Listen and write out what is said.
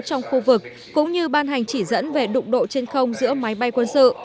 trong khu vực cũng như ban hành chỉ dẫn về đụng độ trên không giữa máy bay quân sự